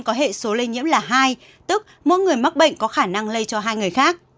có hệ số lây nhiễm là hai tức mỗi người mắc bệnh có khả năng lây cho hai người khác